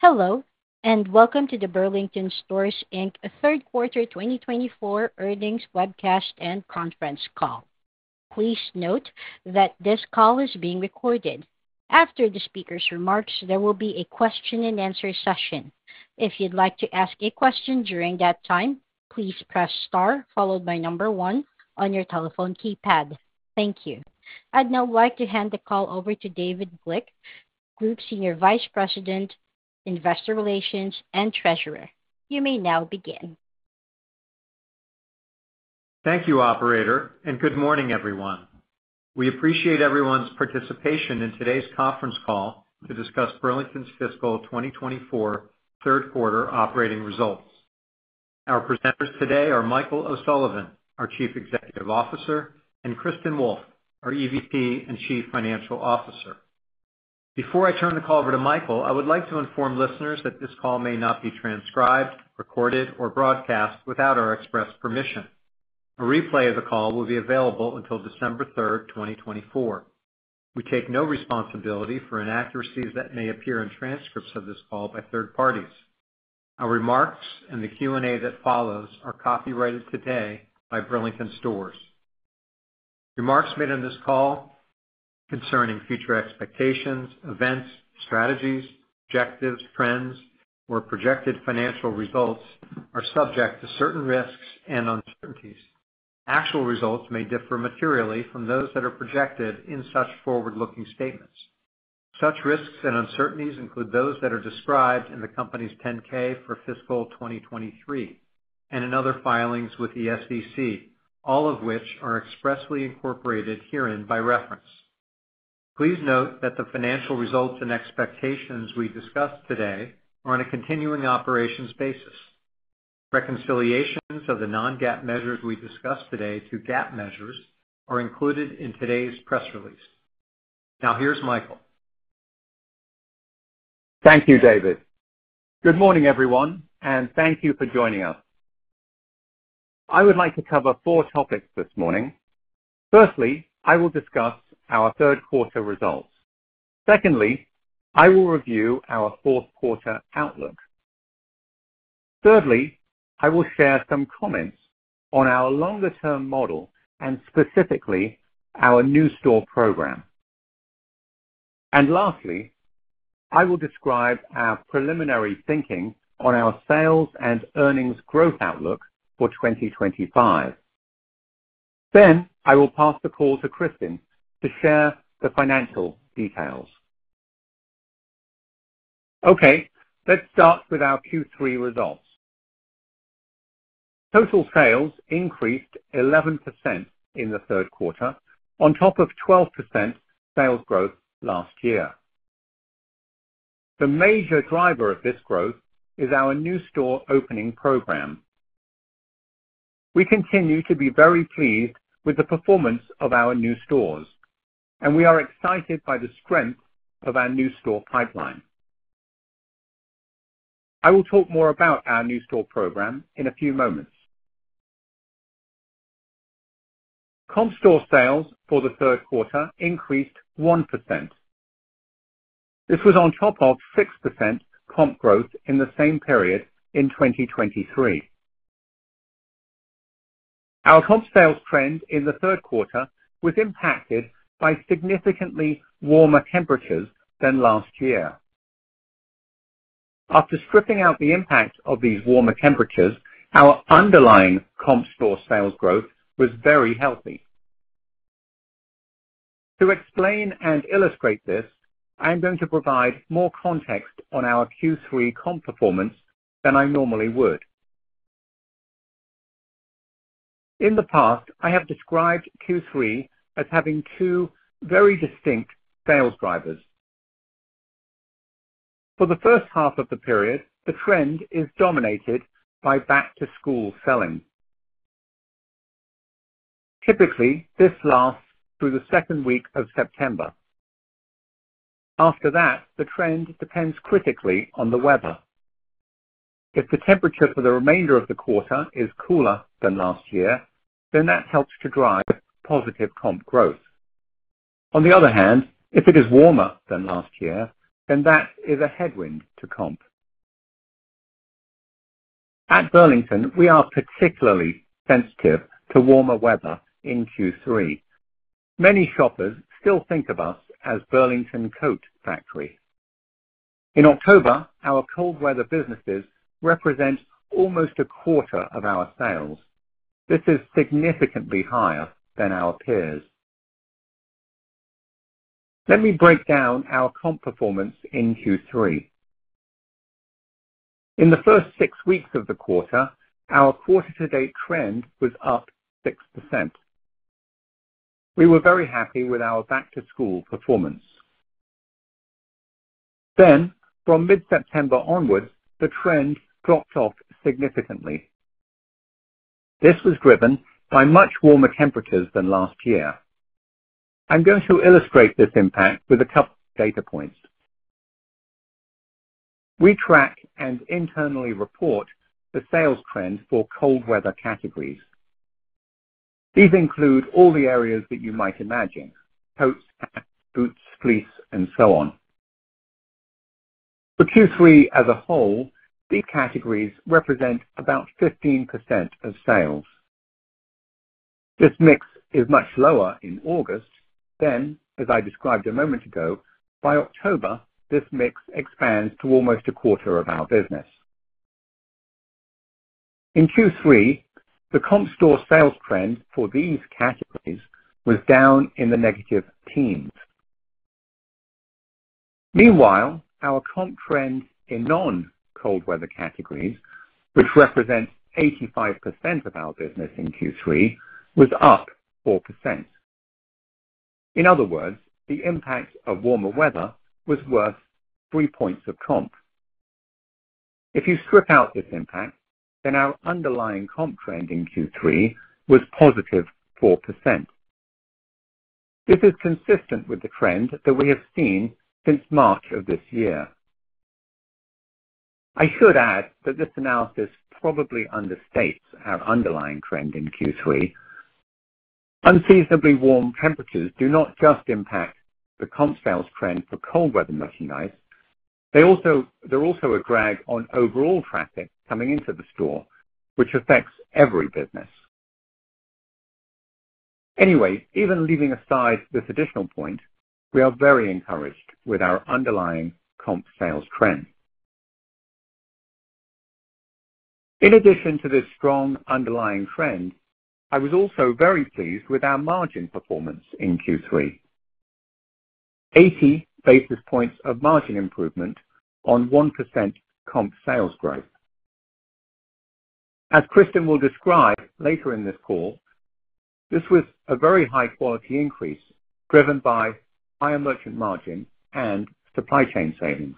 Hello, and welcome to the Burlington Stores, Inc. Q3 2024 earnings webcast and conference call. Please note that this call is being recorded. After the speaker's remarks, there will be a question-and-answer session. If you'd like to ask a question during that time, please press star followed by number one on your telephone keypad. Thank you. I'd now like to hand the call over to David Glick, Group Senior Vice President, Investor Relations, and Treasurer. You may now begin. Thank you, Operator, and good morning, everyone. We appreciate everyone's participation in today's conference call to discuss Burlington's fiscal 2024 Q3 operating results. Our presenters today are Michael O'Sullivan, our Chief Executive Officer, and Kristin Wolfe, our EVP and Chief Financial Officer. Before I turn the call over to Michael, I would like to inform listeners that this call may not be transcribed, recorded, or broadcast without our express permission. A replay of the call will be available until December 3, 2024. We take no responsibility for inaccuracies that may appear in transcripts of this call by third parties. Our remarks and the Q&A that follows are copyrighted today by Burlington Stores. Remarks made on this call concerning future expectations, events, strategies, objectives, trends, or projected financial results are subject to certain risks and uncertainties. Actual results may differ materially from those that are projected in such forward-looking statements. Such risks and uncertainties include those that are described in the company's 10-K for fiscal 2023 and in other filings with the SEC, all of which are expressly incorporated herein by reference. Please note that the financial results and expectations we discuss today are on a continuing operations basis. Reconciliations of the non-GAAP measures we discuss today to GAAP measures are included in today's press release. Now, here's Michael. Thank you, David. Good morning, everyone, and thank you for joining us. I would like to cover four topics this morning. Firstly, I will discuss our Q3 results. Secondly, I will review our Q4 outlook. Thirdly, I will share some comments on our longer-term model and specifically our new store program. And lastly, I will describe our preliminary thinking on our sales and earnings growth outlook for 2025. Then I will pass the call to Kristin to share the financial details. Okay, let's start with our Q3 results. Total sales increased 11% in the Q3 on top of 12% sales growth last year. The major driver of this growth is our new store opening program. We continue to be very pleased with the performance of our new stores, and we are excited by the strength of our new store pipeline. I will talk more about our new store program in a few moments. Comp store sales for the Q3 increased 1%. This was on top of 6% comp growth in the same period in 2023. Our comp sales trend in the Q3 was impacted by significantly warmer temperatures than last year. After stripping out the impact of these warmer temperatures, our underlying comp store sales growth was very healthy. To explain and illustrate this, I am going to provide more context on our Q3 comp performance than I normally would. In the past, I have described Q3 as having two very distinct sales drivers. For the first half of the period, the trend is dominated by back-to-school selling. Typically, this lasts through the second week of September. After that, the trend depends critically on the weather. If the temperature for the remainder of the quarter is cooler than last year, then that helps to drive positive comp growth. On the other hand, if it is warmer than last year, then that is a headwind to comp. At Burlington, we are particularly sensitive to warmer weather in Q3. Many shoppers still think of us as Burlington Coat Factory. In October, our cold-weather businesses represent almost a quarter of our sales. This is significantly higher than our peers. Let me break down our comp performance in Q3. In the first six weeks of the quarter, our Q2 trend was up 6%. We were very happy with our back-to-school performance. Then, from mid-September onwards, the trend dropped off significantly. This was driven by much warmer temperatures than last year. I'm going to illustrate this impact with a couple of data points. We track and internally report the sales trend for cold-weather categories. These include all the areas that you might imagine: coats, hats, boots, fleece, and so on. For Q3 as a whole, these categories represent about 15% of sales. This mix is much lower in August. Then, as I described a moment ago, by October, this mix expands to almost a quarter of our business. In Q3, the comp store sales trend for these categories was down in the negative teens. Meanwhile, our comp trend in non-cold-weather categories, which represents 85% of our business in Q3, was up 4%. In other words, the impact of warmer weather was worth 3 points of comp. If you strip out this impact, then our underlying comp trend in Q3 was +4%. This is consistent with the trend that we have seen since March of this year. I should add that this analysis probably understates our underlying trend in Q3. Unseasonably warm temperatures do not just impact the comp sales trend for cold-weather merchandise. They're also a drag on overall traffic coming into the store, which affects every business. Anyway, even leaving aside this additional point, we are very encouraged with our underlying comp sales trend. In addition to this strong underlying trend, I was also very pleased with our margin performance in Q3: 80 basis points of margin improvement on 1% comp sales growth. As Kristin will describe later in this call, this was a very high-quality increase driven by higher merchant margin and supply chain savings.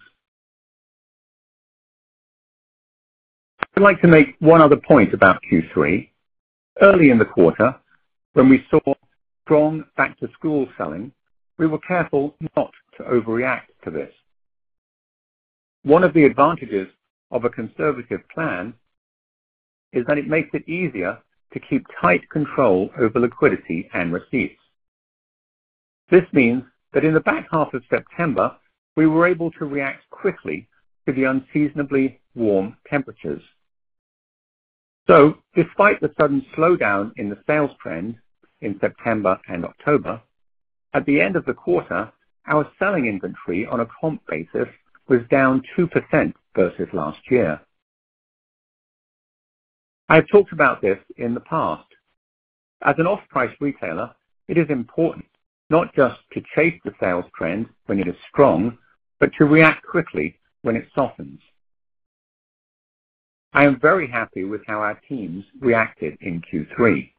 I'd like to make one other point about Q3. Early in the quarter, when we saw strong back-to-school selling, we were careful not to overreact to this. One of the advantages of a conservative plan is that it makes it easier to keep tight control over liquidity and receipts. This means that in the back half of September, we were able to react quickly to the unseasonably warm temperatures. So, despite the sudden slowdown in the sales trend in September and October, at the end of the quarter, our selling inventory on a comp basis was down 2% versus last year. I have talked about this in the past. As an off-price retailer, it is important not just to chase the sales trend when it is strong, but to react quickly when it softens. I am very happy with how our teams reacted in Q3.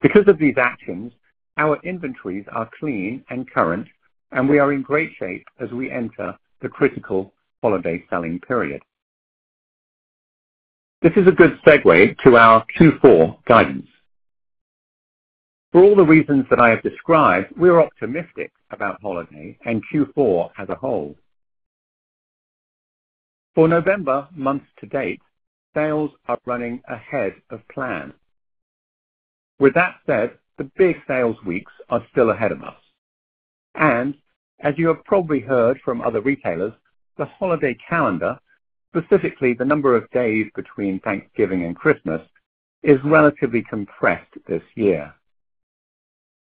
Because of these actions, our inventories are clean and current, and we are in great shape as we enter the critical holiday selling period. This is a good segue to our Q4 guidance. For all the reasons that I have described, we are optimistic about holiday and Q4 as a whole. For November months to date, sales are running ahead of plan. With that said, the big sales weeks are still ahead of us. And, as you have probably heard from other retailers, the holiday calendar, specifically the number of days between Thanksgiving and Christmas, is relatively compressed this year.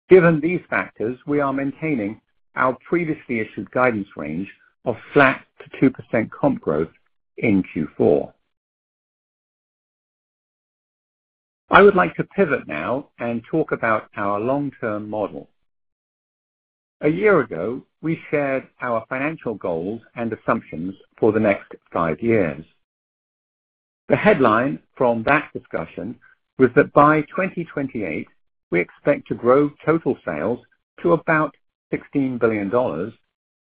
Given these factors, we are maintaining our previously issued guidance range of flat to 2% comp growth in Q4. I would like to pivot now and talk about our long-term model. A year ago, we shared our financial goals and assumptions for the next five years. The headline from that discussion was that by 2028, we expect to grow total sales to about $16 billion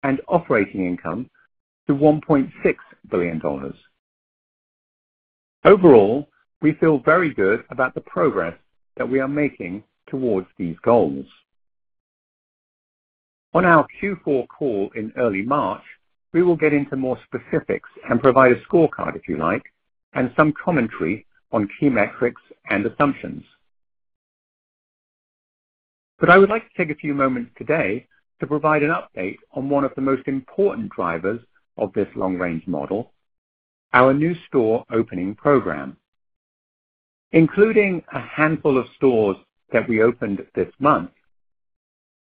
and operating income to $1.6 billion. Overall, we feel very good about the progress that we are making towards these goals. On our Q4 call in early March, we will get into more specifics and provide a scorecard, if you like, and some commentary on key metrics and assumptions. But I would like to take a few moments today to provide an update on one of the most important drivers of this long-range model: our new store opening program. Including a handful of stores that we opened this month,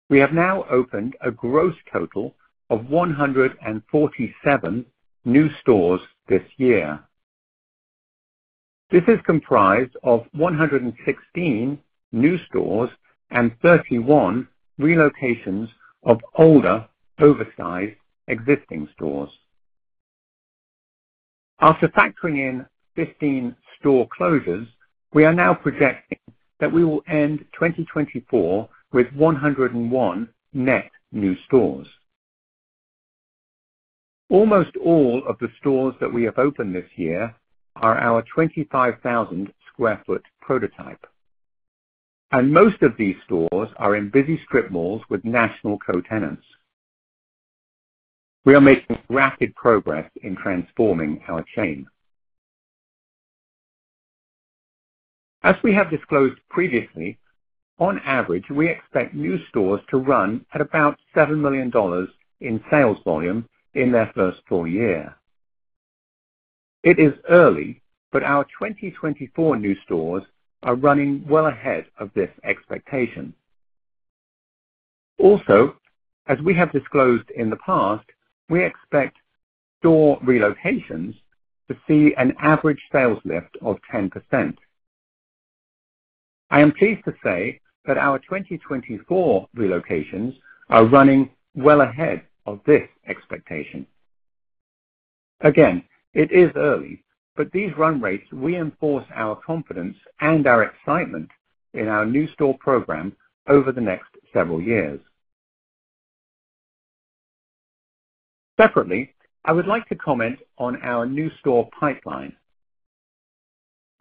we have now opened a gross total of 147 new stores this year. This is comprised of 116 new stores and 31 relocations of older, oversized existing stores. After factoring in 15 store closures, we are now projecting that we will end 2024 with 101 net new stores. Almost all of the stores that we have opened this year are our 25,000 sq ft prototype. And most of these stores are in busy strip malls with national co-tenants. We are making rapid progress in transforming our chain. As we have disclosed previously, on average, we expect new stores to run at about $7 million in sales volume in their first full year. It is early, but our 2024 new stores are running well ahead of this expectation. Also, as we have disclosed in the past, we expect store relocations to see an average sales lift of 10%. I am pleased to say that our 2024 relocations are running well ahead of this expectation. Again, it is early, but these run rates reinforce our confidence and our excitement in our new store program over the next several years. Separately, I would like to comment on our new store pipeline.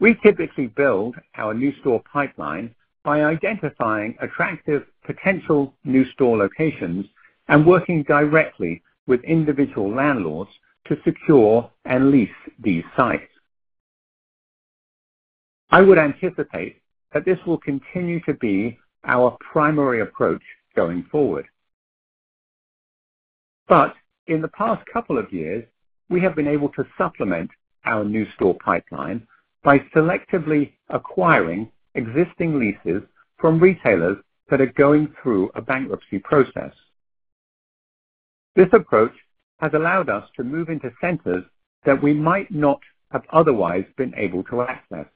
We typically build our new store pipeline by identifying attractive potential new store locations and working directly with individual landlords to secure and lease these sites. I would anticipate that this will continue to be our primary approach going forward. But in the past couple of years, we have been able to supplement our new store pipeline by selectively acquiring existing leases from retailers that are going through a bankruptcy process. This approach has allowed us to move into centers that we might not have otherwise been able to access.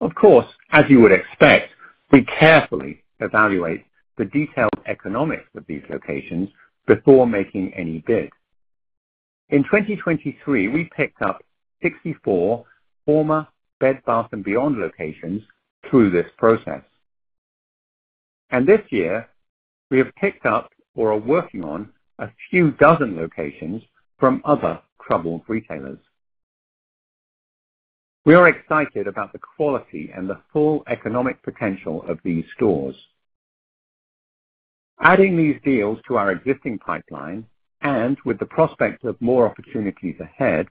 Of course, as you would expect, we carefully evaluate the detailed economics of these locations before making any bid. In 2023, we picked up 64 former Bed Bath & Beyond locations through this process. And this year, we have picked up or are working on a few dozen locations from other troubled retailers. We are excited about the quality and the full economic potential of these stores. Adding these deals to our existing pipeline, and with the prospect of more opportunities ahead,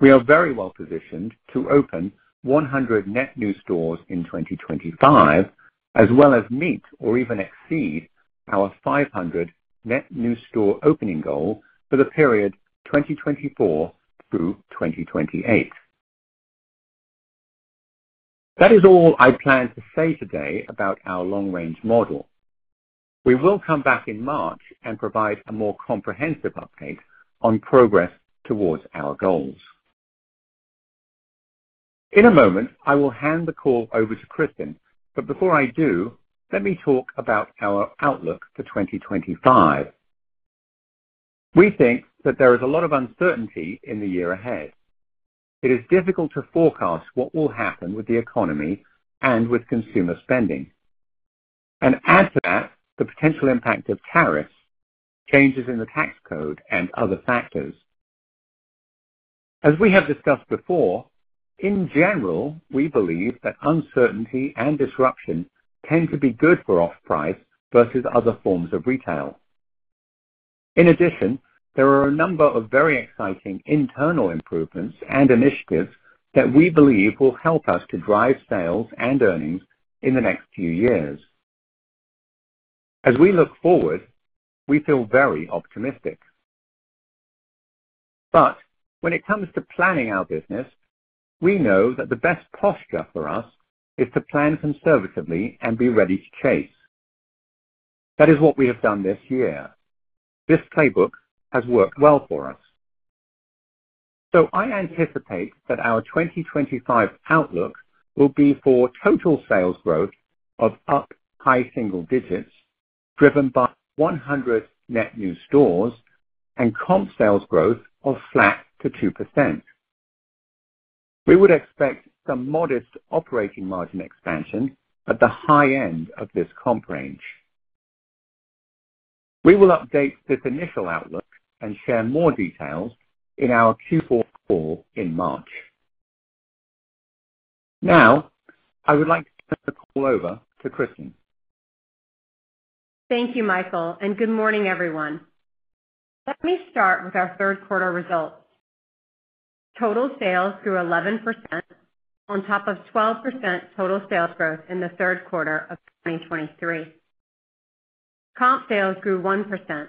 we are very well positioned to open 100 net new stores in 2025, as well as meet or even exceed our 500 net new store opening goal for the period 2024 through 2028. That is all I plan to say today about our long-range model. We will come back in March and provide a more comprehensive update on progress towards our goals. In a moment, I will hand the call over to Kristin, but before I do, let me talk about our outlook for 2025. We think that there is a lot of uncertainty in the year ahead. It is difficult to forecast what will happen with the economy and with consumer spending. And add to that the potential impact of tariffs, changes in the tax code, and other factors. As we have discussed before, in general, we believe that uncertainty and disruption tend to be good for off-price versus other forms of retail. In addition, there are a number of very exciting internal improvements and initiatives that we believe will help us to drive sales and earnings in the next few years. As we look forward, we feel very optimistic. But when it comes to planning our business, we know that the best posture for us is to plan conservatively and be ready to chase. That is what we have done this year. This playbook has worked well for us. So I anticipate that our 2025 outlook will be for total sales growth of up high single digits, driven by 100 net new stores, and comp sales growth of flat to 2%. We would expect some modest operating margin expansion at the high end of this comp range. We will update this initial outlook and share more details in our Q4 call in March. Now, I would like to turn the call over to Kristin. Thank you, Michael, and good morning, everyone. Let me start with our third-quarter results. Total sales grew 11% on top of 12% total sales growth in the Q3 of 2023. Comp sales grew 1%,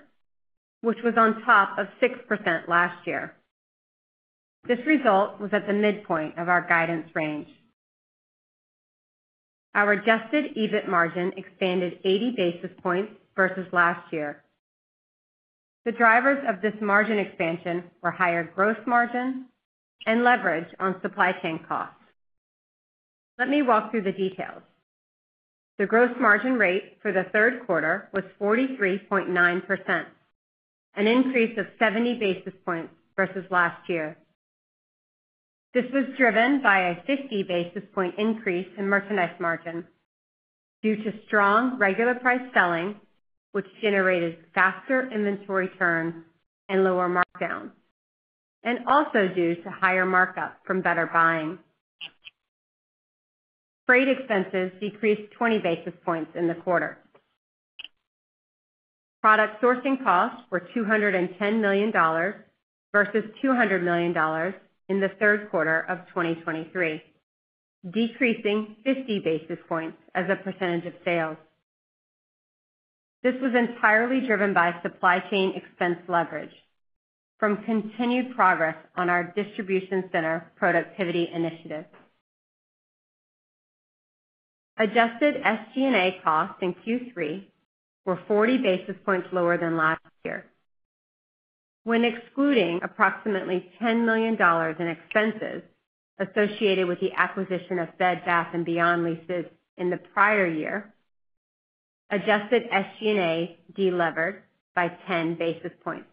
which was on top of 6% last year. This result was at the midpoint of our guidance range. Our adjusted EBIT margin expanded 80 basis points versus last year. The drivers of this margin expansion were higher gross margin and leverage on supply chain costs. Let me walk through the details. The gross margin rate for the Q3 was 43.9%, an increase of 70 basis points versus last year. This was driven by a 50 basis point increase in merchandise margin due to strong regular price selling, which generated faster inventory turns and lower markdowns, and also due to higher markup from better buying. Freight expenses decreased 20 basis points in the quarter. Product sourcing costs were $210 million versus $200 million in the Q3 of 2023, decreasing 50 basis points as a percentage of sales. This was entirely driven by supply chain expense leverage from continued progress on our distribution center productivity initiative. Adjusted SG&A costs in Q3 were 40 basis points lower than last year. When excluding approximately $10 million in expenses associated with the acquisition of Bed Bath & Beyond leases in the prior year, adjusted SG&A de-levered by 10 basis points.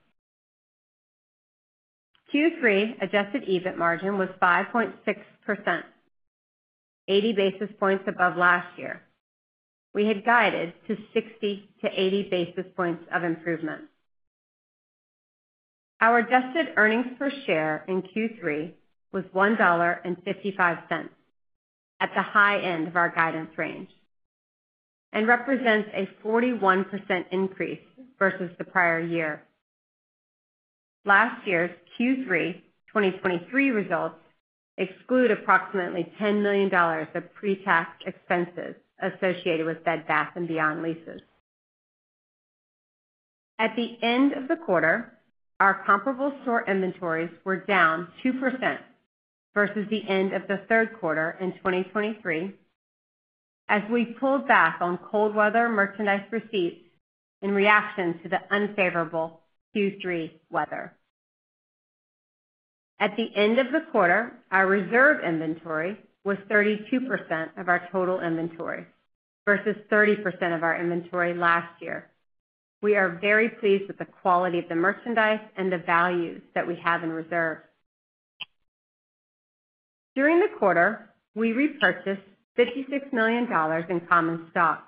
Q3 adjusted EBIT margin was 5.6%, 80 basis points above last year. We had guided to 60-80 basis points of improvement. Our adjusted earnings per share in Q3 was $1.55 at the high end of our guidance range and represents a 41% increase versus the prior year. Last year's Q3 2023 results exclude approximately $10 million of pre-tax expenses associated with Bed Bath & Beyond leases. At the end of the quarter, our comparable store inventories were down 2% versus the end of the Q3 in 2023, as we pulled back on cold weather merchandise receipts in reaction to the unfavorable Q3 weather. At the end of the quarter, our reserve inventory was 32% of our total inventory versus 30% of our inventory last year. We are very pleased with the quality of the merchandise and the values that we have in reserve. During the quarter, we repurchased $56 million in common stock.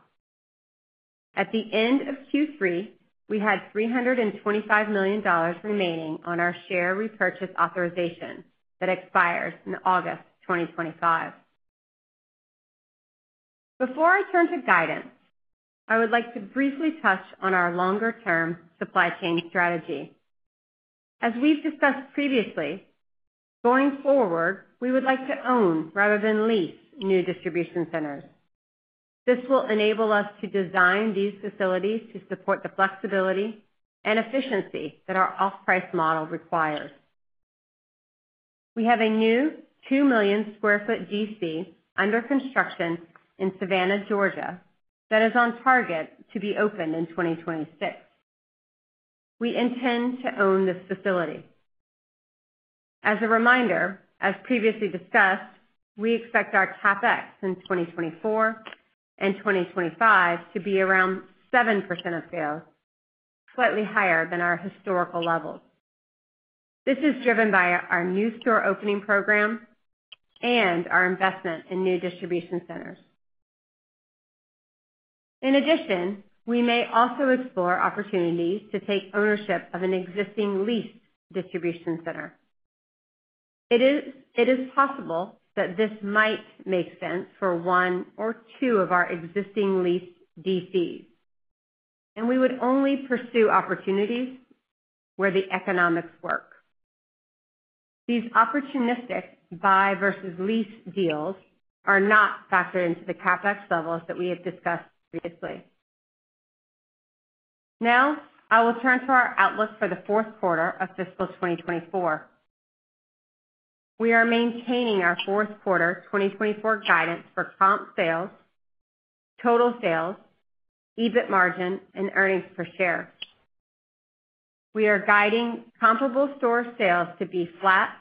At the end of Q3, we had $325 million remaining on our share repurchase authorization that expires in August 2025. Before I turn to guidance, I would like to briefly touch on our longer-term supply chain strategy. As we've discussed previously, going forward, we would like to own rather than lease new distribution centers. This will enable us to design these facilities to support the flexibility and efficiency that our off-price model requires. We have a new 2 million sq ft DC under construction in Savannah, Georgia, that is on target to be opened in 2026. We intend to own this facility. As a reminder, as previously discussed, we expect our CapEx in 2024 and 2025 to be around 7% of sales, slightly higher than our historical levels. This is driven by our new store opening program and our investment in new distribution centers. In addition, we may also explore opportunities to take ownership of an existing leased distribution center. It is possible that this might make sense for one or two of our existing leased DCs, and we would only pursue opportunities where the economics work. These opportunistic buy versus lease deals are not factored into the CapEx levels that we have discussed previously. Now, I will turn to our outlook for the Q4 of fiscal 2024. We are maintaining our Q4 2024 guidance for comp sales, total sales, EBIT margin, and earnings per share. We are guiding comparable store sales to be flat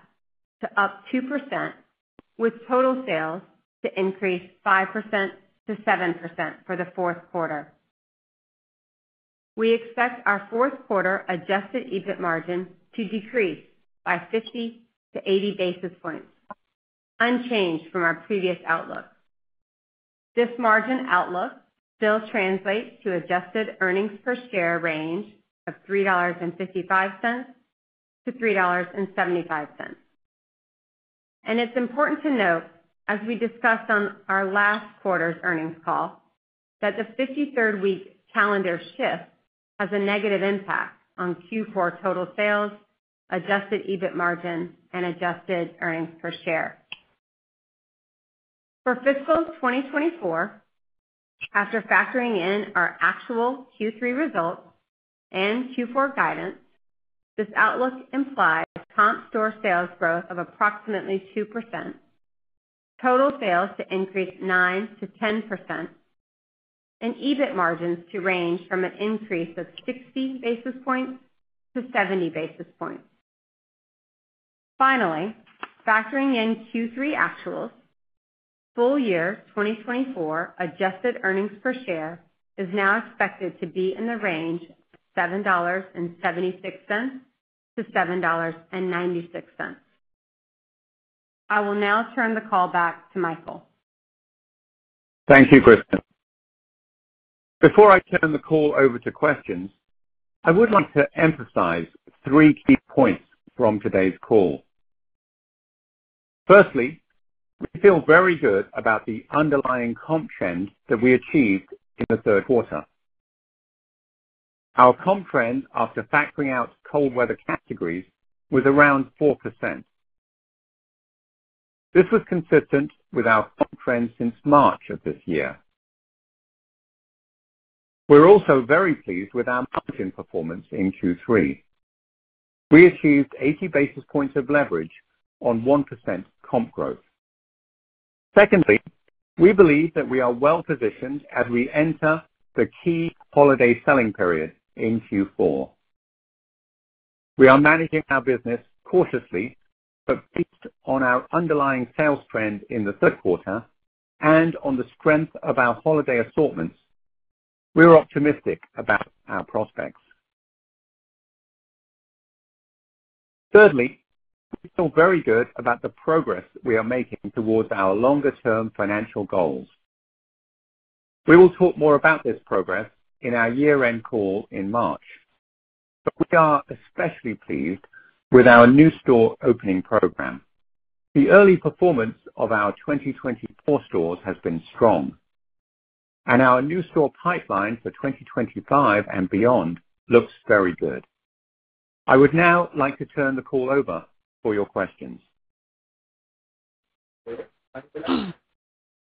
to up 2%, with total sales to increase 5%-7% for the Q4. We expect our Q4 adjusted EBIT margin to decrease by 50-80 basis points, unchanged from our previous outlook. This margin outlook still translates to adjusted earnings per share range of $3.55-$3.75, and it's important to note, as we discussed on our last quarter's earnings call, that the 53rd week calendar shift has a negative impact on Q4 total sales, adjusted EBIT margin, and adjusted earnings per share. For fiscal 2024, after factoring in our actual Q3 results and Q4 guidance, this outlook implies comp store sales growth of approximately 2%, total sales to increase 9%-10%, and EBIT margins to range from an increase of 60-70 basis points. Finally, factoring in Q3 actuals, full year 2024 adjusted earnings per share is now expected to be in the range of $7.76-$7.96. I will now turn the call back to Michael. Thank you, Kristin. Before I turn the call over to questions, I would like to emphasize three key points from today's call. Firstly, we feel very good about the underlying comp trend that we achieved in the Q3. Our comp trend after factoring out cold weather categories was around 4%. This was consistent with our comp trend since March of this year. We're also very pleased with our margin performance in Q3. We achieved 80 basis points of leverage on 1% comp growth. Secondly, we believe that we are well positioned as we enter the key holiday selling period in Q4. We are managing our business cautiously, but based on our underlying sales trend in the Q3 and on the strength of our holiday assortments, we're optimistic about our prospects. Thirdly, we feel very good about the progress we are making towards our longer-term financial goals. We will talk more about this progress in our year-end call in March. But we are especially pleased with our new store opening program. The early performance of our 2024 stores has been strong, and our new store pipeline for 2025 and beyond looks very good. I would now like to turn the call over for your questions.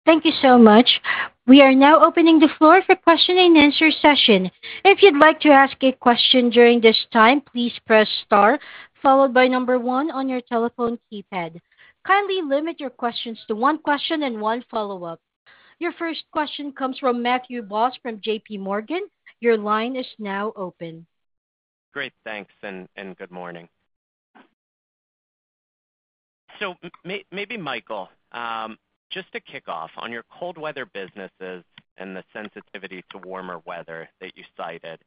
Thank you so much. We are now opening the floor for question and answer session. If you'd like to ask a question during this time, please press star followed by number one on your telephone keypad. Kindly limit your questions to one question and one follow-up. Your first question comes from Matthew Boss from J.P. Morgan. Your line is now open. Great. Thanks, and good morning. So maybe, Michael, just to kick off, on your cold weather businesses and the sensitivity to warmer weather that you cited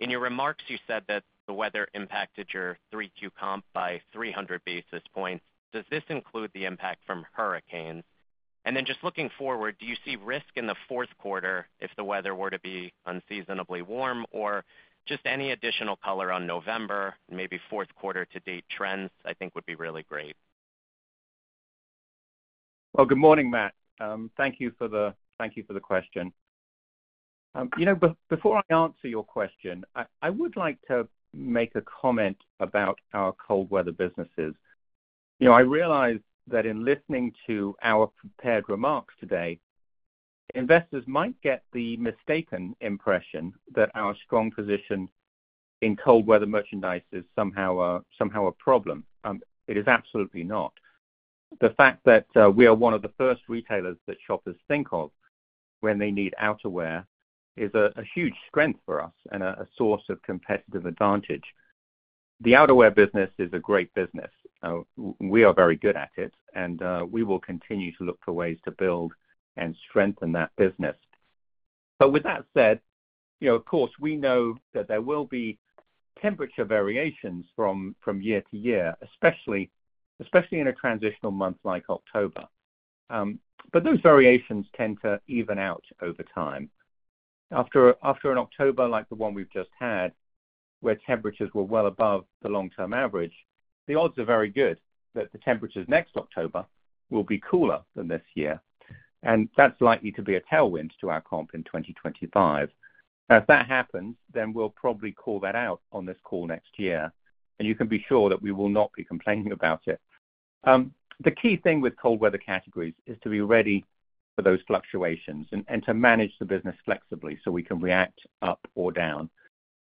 in your remarks, you said that the weather impacted your Q3 comp by 300 basis points. Does this include the impact from hurricanes? And then just looking forward, do you see risk in the Q4 if the weather were to be unseasonably warm or just any additional color on November? Maybe Q4-to-date trends, I think, would be really great. Well, good morning, Matt. Thank you for the question. Before I answer your question, I would like to make a comment about our cold weather businesses. I realize that in listening to our prepared remarks today, investors might get the mistaken impression that our strong position in cold weather merchandise is somehow a problem. It is absolutely not. The fact that we are one of the first retailers that shoppers think of when they need outerwear is a huge strength for us and a source of competitive advantage. The outerwear business is a great business. We are very good at it, and we will continue to look for ways to build and strengthen that business. But with that said, of course, we know that there will be temperature variations from year to year, especially in a transitional month like October. But those variations tend to even out over time. After an October like the one we've just had, where temperatures were well above the long-term average, the odds are very good that the temperatures next October will be cooler than this year. And that's likely to be a tailwind to our comp in 2025. Now, if that happens, then we'll probably call that out on this call next year. And you can be sure that we will not be complaining about it. The key thing with cold weather categories is to be ready for those fluctuations and to manage the business flexibly so we can react up or down.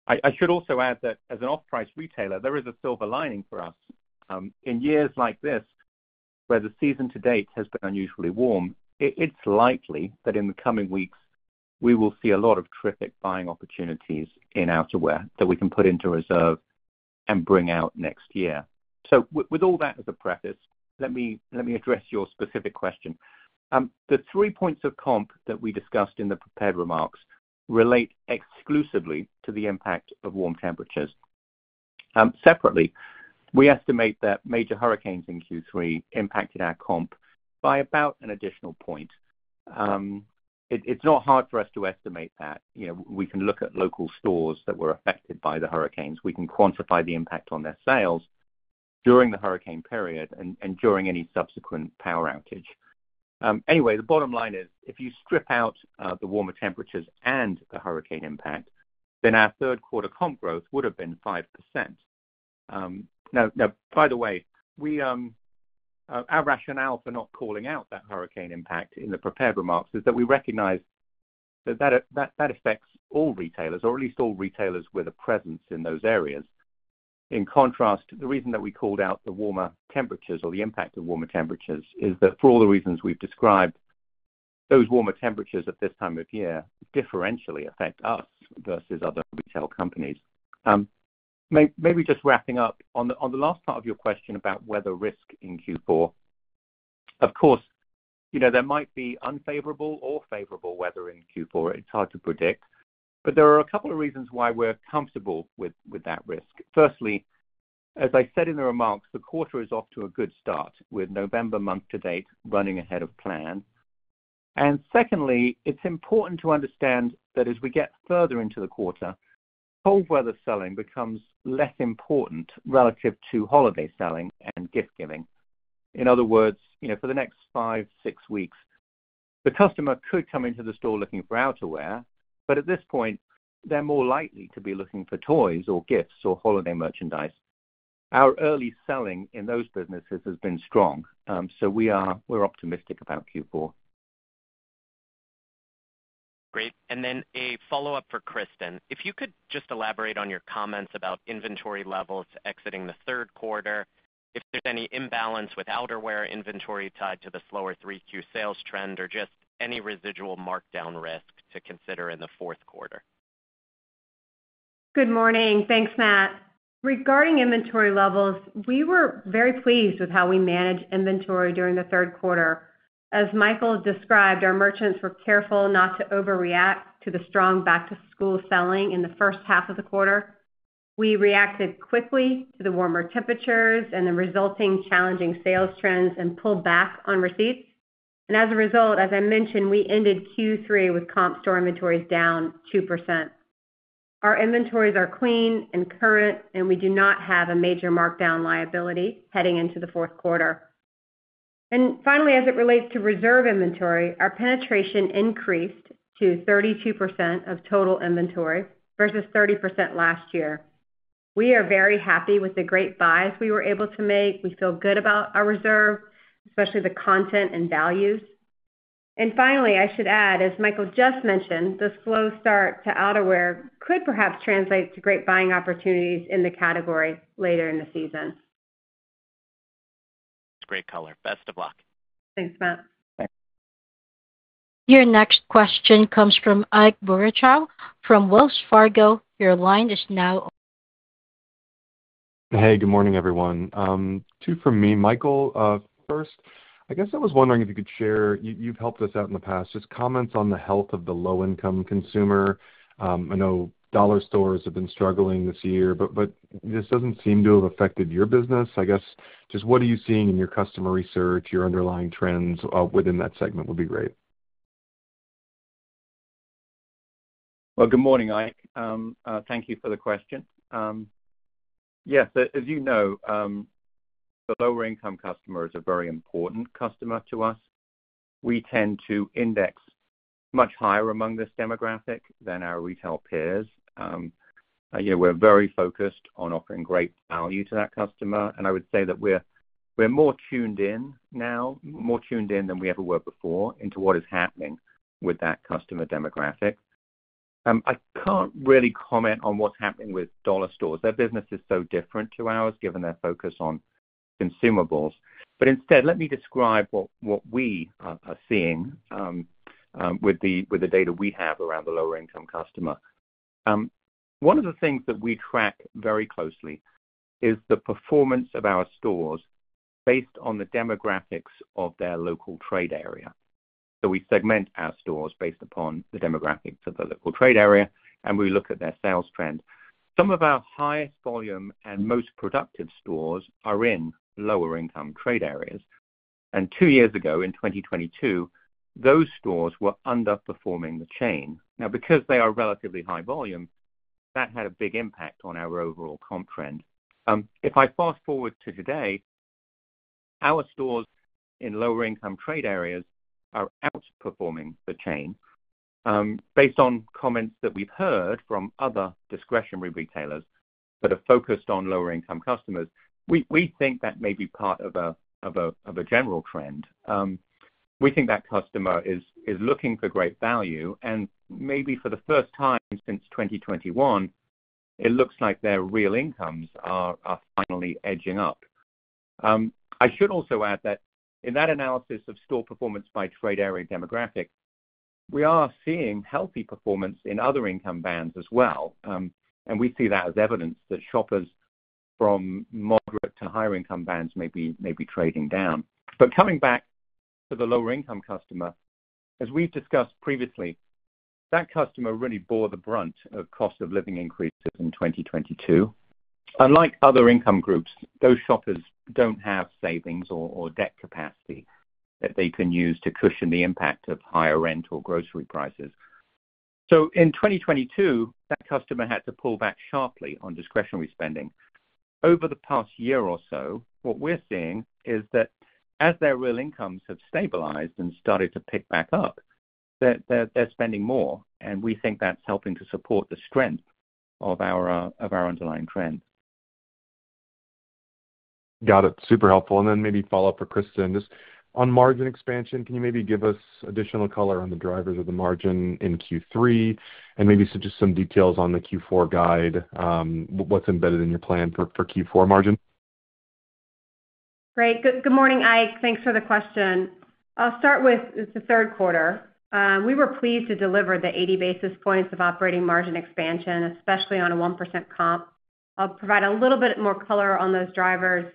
I should also add that as an off-price retailer, there is a silver lining for us. In years like this, where the season to date has been unusually warm, it's likely that in the coming weeks, we will see a lot of terrific buying opportunities in outerwear that we can put into reserve and bring out next year. So with all that as a preface, let me address your specific question. The three points of comp that we discussed in the prepared remarks relate exclusively to the impact of warm temperatures. Separately, we estimate that major hurricanes in Q3 impacted our comp by about an additional point. It's not hard for us to estimate that. We can look at local stores that were affected by the hurricanes. We can quantify the impact on their sales during the hurricane period and during any subsequent power outage. Anyway, the bottom line is, if you strip out the warmer temperatures and the hurricane impact, then our Q3 comp growth would have been 5%. Now, by the way, our rationale for not calling out that hurricane impact in the prepared remarks is that we recognize that that affects all retailers, or at least all retailers with a presence in those areas. In contrast, the reason that we called out the warmer temperatures or the impact of warmer temperatures is that, for all the reasons we've described, those warmer temperatures at this time of year differentially affect us versus other retail companies. Maybe just wrapping up on the last part of your question about weather risk in Q4. Of course, there might be unfavorable or favorable weather in Q4. It's hard to predict. But there are a couple of reasons why we're comfortable with that risk. Firstly, as I said in the remarks, the quarter is off to a good start with November month-to-date running ahead of plan. And secondly, it's important to understand that as we get further into the quarter, cold weather selling becomes less important relative to holiday selling and gift-giving. In other words, for the next five, six weeks, the customer could come into the store looking for outerwear, but at this point, they're more likely to be looking for toys or gifts or holiday merchandise. Our early selling in those businesses has been strong. So we're optimistic about Q4. Great. And then a follow-up for Kristin. If you could just elaborate on your comments about inventory levels exiting the Q3, if there's any imbalance with outerwear inventory tied to the slower Q3 sales trend, or just any residual markdown risk to consider in the Q4. Good morning. Thanks, Matt. Regarding inventory levels, we were very pleased with how we managed inventory during the Q3. As Michael described, our merchants were careful not to overreact to the strong back-to-school selling in the first half of the quarter. We reacted quickly to the warmer temperatures and the resulting challenging sales trends and pulled back on receipts, and as a result, as I mentioned, we ended Q3 with comp store inventories down 2%. Our inventories are clean and current, and we do not have a major markdown liability heading into the Q4, and finally, as it relates to reserve inventory, our penetration increased to 32% of total inventory versus 30% last year. We are very happy with the great buys we were able to make. We feel good about our reserve, especially the content and values, and finally, I should add, as Michael just mentioned, the slow start to outerwear could perhaps translate to great buying opportunities in the category later in the season. That's great color. Best of luck. Thanks, Matt. Yeah. Your next question comes from Ike Boruchow from Wells Fargo. Your line is now. Hey, good morning, everyone. Two from me. Michael, first, I guess I was wondering if you could share, you've helped us out in the past, just comments on the health of the low-income consumer. I know dollar stores have been struggling this year, but this doesn't seem to have affected your business. I guess just what are you seeing in your customer research, your underlying trends within that segment would be great. Well, good morning, Ike. Thank you for the question. Yes, as you know, the lower-income customers are a very important customer to us. We tend to index much higher among this demographic than our retail peers. We're very focused on offering great value to that customer. And I would say that we're more tuned in now, more tuned in than we ever were before, into what is happening with that customer demographic. I can't really comment on what's happening with dollar stores. Their business is so different to ours, given their focus on consumables, but instead, let me describe what we are seeing with the data we have around the lower-income customer. One of the things that we track very closely is the performance of our stores based on the demographics of their local trade area, so we segment our stores based upon the demographics of the local trade area, and we look at their sales trend. Some of our highest volume and most productive stores are in lower-income trade areas, and two years ago, in 2022, those stores were underperforming the chain. Now, because they are relatively high volume, that had a big impact on our overall comp trend. If I fast forward to today, our stores in lower-income trade areas are outperforming the chain. Based on comments that we've heard from other discretionary retailers that are focused on lower-income customers, we think that may be part of a general trend. We think that customer is looking for great value, and maybe for the first time since 2021, it looks like their real incomes are finally edging up. I should also add that in that analysis of store performance by trade area demographic, we are seeing healthy performance in other income bands as well, and we see that as evidence that shoppers from moderate to higher-income bands may be trading down, but coming back to the lower-income customer, as we've discussed previously, that customer really bore the brunt of cost of living increases in 2022. Unlike other income groups, those shoppers don't have savings or debt capacity that they can use to cushion the impact of higher rent or grocery prices. So in 2022, that customer had to pull back sharply on discretionary spending. Over the past year or so, what we're seeing is that as their real incomes have stabilized and started to pick back up, they're spending more. And we think that's helping to support the strength of our underlying trend. Got it. Super helpful. And then maybe follow-up for Kristin. On margin expansion, can you maybe give us additional color on the drivers of the margin in Q3 and maybe just some details on the Q4 guide, what's embedded in your plan for Q4 margin? Great. Good morning, Ike. Thanks for the question. I'll start with the Q3. We were pleased to deliver the 80 basis points of operating margin expansion, especially on a 1% comp. I'll provide a little bit more color on those drivers.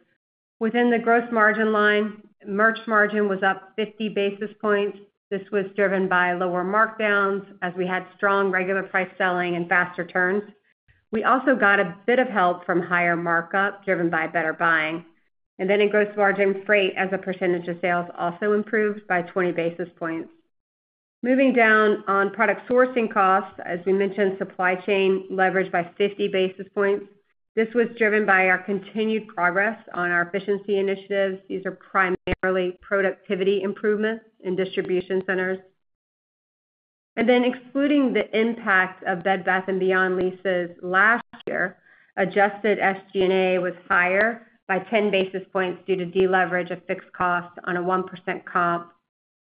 Within the gross margin line, merch margin was up 50 basis points. This was driven by lower markdowns as we had strong regular price selling and faster turns. We also got a bit of help from higher markup driven by better buying. And then in gross margin, freight as a percentage of sales also improved by 20 basis points. Moving down on product sourcing costs, as we mentioned, supply chain leveraged by 50 basis points. This was driven by our continued progress on our efficiency initiatives. These are primarily productivity improvements in distribution centers. And then excluding the impact of Bed Bath & Beyond leases last year, adjusted SG&A was higher by 10 basis points due to deleverage of fixed costs on a 1% comp.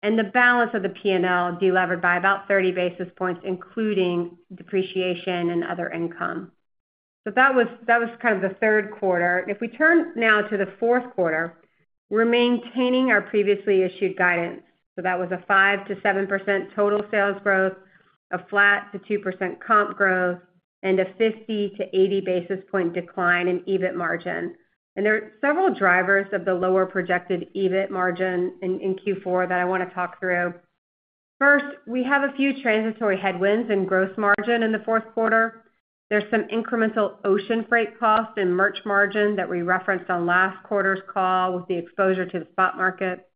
And the balance of the P&L delevered by about 30 basis points, including depreciation and other income. So that was kind of the Q3. And if we turn now to the Q4, we're maintaining our previously issued guidance. So that was 5%-7% total sales growth, flat to 2% comp growth, and a 50-80 basis point decline in EBIT margin. And there are several drivers of the lower projected EBIT margin in Q4 that I want to talk through. First, we have a few transitory headwinds in gross margin in the Q4. There's some incremental ocean freight costs in merch margin that we referenced on last quarter's call with the exposure to the spot market.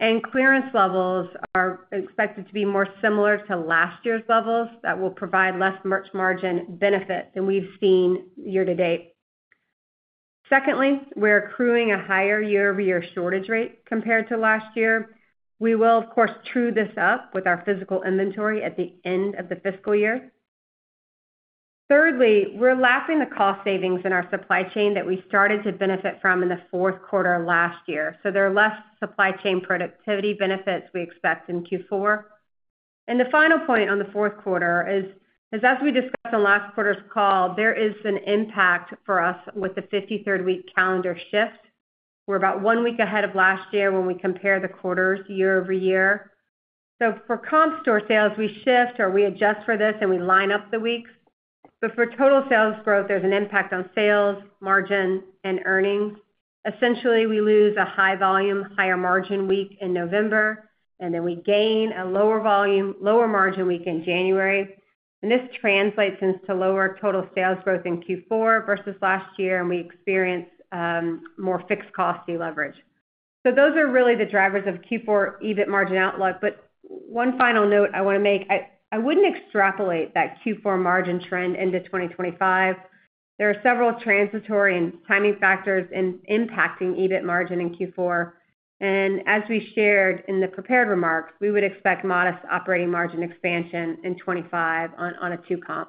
And clearance levels are expected to be more similar to last year's levels that will provide less merch margin benefit than we've seen year-to-date. Secondly, we're accruing a higher year-over-year shortage rate compared to last year. We will, of course, true this up with our physical inventory at the end of the fiscal year. Thirdly, we're lapping the cost savings in our supply chain that we started to benefit from in the Q4 last year. So there are less supply chain productivity benefits we expect in Q4. And the final point on the Q4 is, as we discussed on last quarter's call, there is an impact for us with the 53rd-week calendar shift. We're about one week ahead of last year when we compare the quarters year-over-year. So for comp store sales, we shift or we adjust for this and we line up the weeks. But for total sales growth, there's an impact on sales, margin, and earnings. Essentially, we lose a high-volume, higher-margin week in November, and then we gain a lower-volume, lower-margin week in January. And this translates into lower total sales growth in Q4 versus last year, and we experience more fixed-cost deleverage. So those are really the drivers of Q4 EBIT margin outlook. But one final note I want to make. I wouldn't extrapolate that Q4 margin trend into 2025. There are several transitory and timing factors impacting EBIT margin in Q4. And as we shared in the prepared remarks, we would expect modest operating margin expansion in 2025 on a two-comp growth.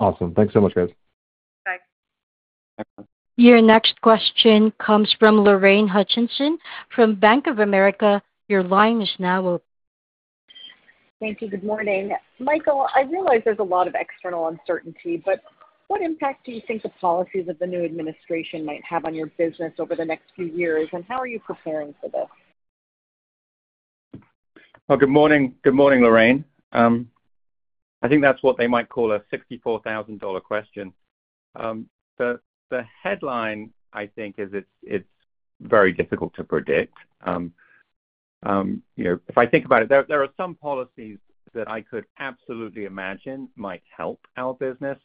Awesome. Thanks so much, guys. Bye. Your next question comes from Lorraine Hutchinson from Bank of America. Your line is now open. Thank you. Good morning. Michael, I realize there's a lot of external uncertainty, but what impact do you think the policies of the new administration might have on your business over the next few years, and how are you preparing for this? Well, good morning. Good morning, Lorraine. I think that's what they might call a $64,000 question. The headline, I think, is it's very difficult to predict. If I think about it, there are some policies that I could absolutely imagine might help our business,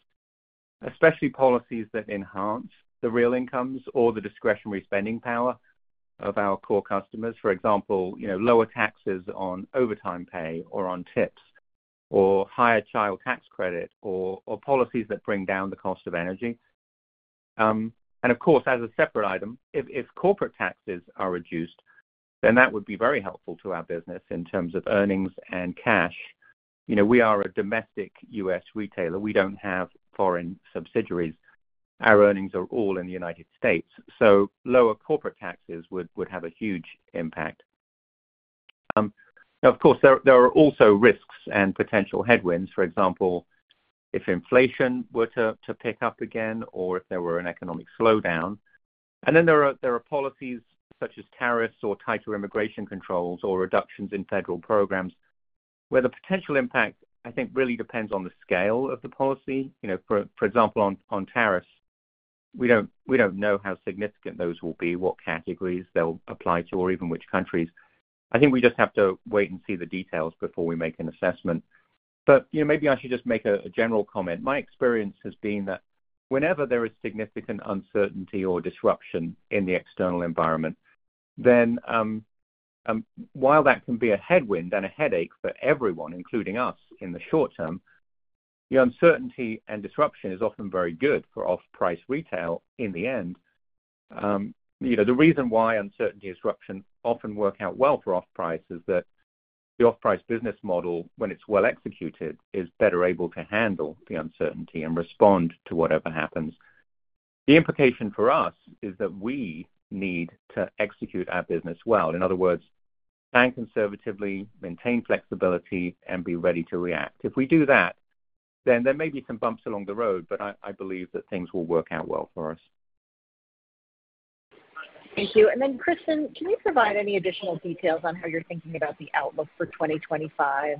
especially policies that enhance the real incomes or the discretionary spending power of our core customers. For example, lower taxes on overtime pay or on tips or higher child tax credit or policies that bring down the cost of energy. And of course, as a separate item, if corporate taxes are reduced, then that would be very helpful to our business in terms of earnings and cash. We are a domestic U.S. retailer. We don't have foreign subsidiaries. Our earnings are all in the United States. So lower corporate taxes would have a huge impact. Now, of course, there are also risks and potential headwinds. For example, if inflation were to pick up again or if there were an economic slowdown, and then there are policies such as tariffs or tighter immigration controls or reductions in federal programs where the potential impact, I think, really depends on the scale of the policy. For example, on tariffs, we don't know how significant those will be, what categories they'll apply to, or even which countries. I think we just have to wait and see the details before we make an assessment, but maybe I should just make a general comment. My experience has been that whenever there is significant uncertainty or disruption in the external environment, then while that can be a headwind and a headache for everyone, including us in the short term, the uncertainty and disruption is often very good for off-price retail in the end. The reason why uncertainty and disruption often work out well for off-price is that the off-price business model, when it's well executed, is better able to handle the uncertainty and respond to whatever happens. The implication for us is that we need to execute our business well. In other words, bank conservatively, maintain flexibility, and be ready to react. If we do that, then there may be some bumps along the road, but I believe that things will work out well for us. Thank you. And then, Kristin, can you provide any additional details on how you're thinking about the outlook for 2025?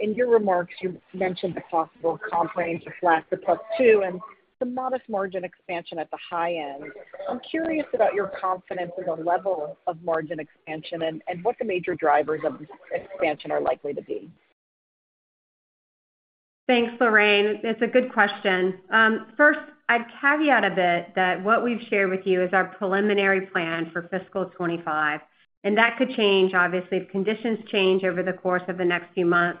In your remarks, you mentioned the possible comp range of flat to plus two and some modest margin expansion at the high end. I'm curious about your confidence in the level of margin expansion and what the major drivers of this expansion are likely to be? Thanks, Lorraine. It's a good question. First, I'd caveat a bit that what we've shared with you is our preliminary plan for fiscal 2025. And that could change, obviously, if conditions change over the course of the next few months.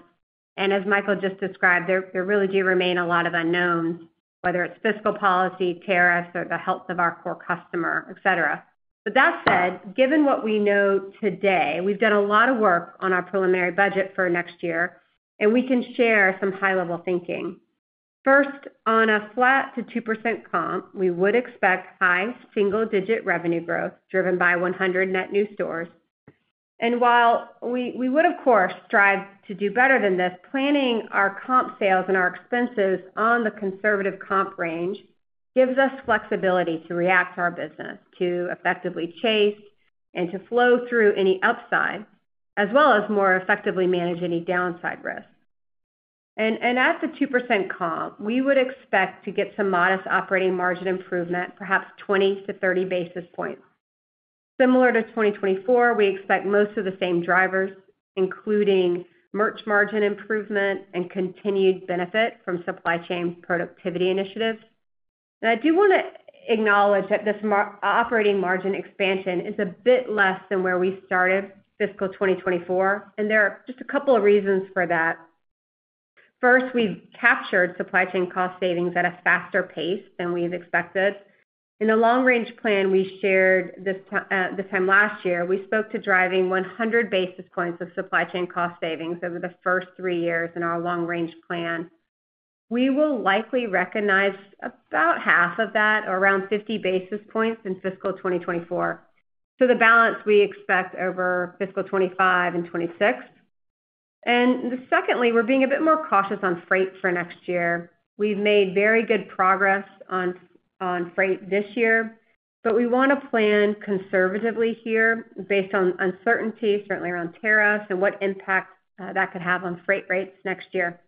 And as Michael just described, there really do remain a lot of unknowns, whether it's fiscal policy, tariffs, or the health of our core customer, etc. But that said, given what we know today, we've done a lot of work on our preliminary budget for next year, and we can share some high-level thinking. First, on a flat to 2% comp, we would expect high single-digit revenue growth driven by 100 net new stores. And while we would, of course, strive to do better than this, planning our comp sales and our expenses on the conservative comp range gives us flexibility to react to our business, to effectively chase and to flow through any upside, as well as more effectively manage any downside risk. And at the 2% comp, we would expect to get some modest operating margin improvement, perhaps 20-30 basis points. Similar to 2024, we expect most of the same drivers, including merch margin improvement and continued benefit from supply chain productivity initiatives. And I do want to acknowledge that this operating margin expansion is a bit less than where we started fiscal 2024, and there are just a couple of reasons for that. First, we've captured supply chain cost savings at a faster pace than we've expected. In the long-range plan we shared this time last year, we spoke to driving 100 basis points of supply chain cost savings over the first three years in our long-range plan. We will likely recognize about half of that, around 50 basis points in fiscal 2024. So the balance we expect over fiscal 2025 and 2026. And secondly, we're being a bit more cautious on freight for next year. We've made very good progress on freight this year, but we want to plan conservatively here based on uncertainty, certainly around tariffs and what impact that could have on freight rates next year.